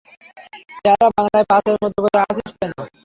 চেহারা বাংলার পাঁচের মতো করে আছিস কেন?